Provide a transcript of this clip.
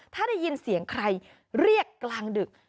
ถ้าได้ยินเสียงใครเรียกกลางดึก